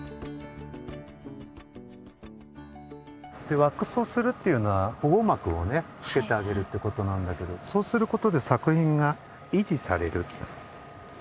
ワックスをするっていうのは保護膜をねつけてあげるってことなんだけどそうすることで作品が維持される。